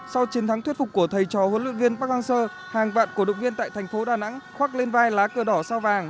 sau chiến thắng thuyết phục của thầy trò huấn luyện viên park hang seo hàng vạn cổ động viên tại thành phố đà nẵng khoác lên vai lá cờ đỏ sao vàng